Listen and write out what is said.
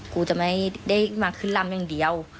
กูจะไม่ได้มาขึ้นลำอย่างเดียว